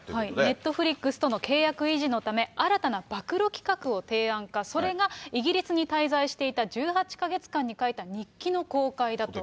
ネットフリックスとの契約維持のため、新たな暴露企画を提案か、それがイギリスに滞在していた１８か月間に書いた日記の公開だと。